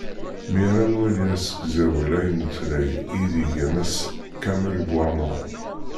Mi ara nwali asegzawal aynutlay i d-iga Mass kamel Buεmara.